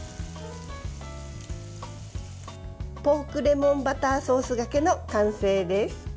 ポークレモンバターソースがけの完成です。